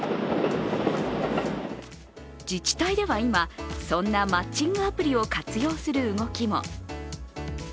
自治体では今、そんなマッチングアプリを活用する動きも。